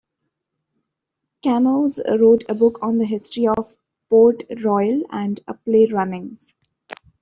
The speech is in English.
Kamoze wrote a book on the history of Port Royal, and a play, "Runnings".